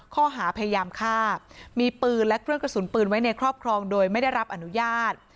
ข้อหาพยายามฆ่ามีปืนและเครื่องกระสุนปืนไว้ในครอบครองโดยไม่ได้รับอนุญาต